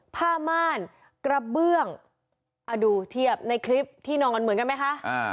ผ้าม่านกระเบื้องดูเทียบในคลิปที่นอนเหมือนกันไหมคะ